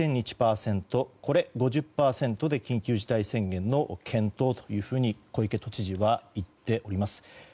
これ、５０％で緊急事態宣言の検討というふうに小池都知事は言っております。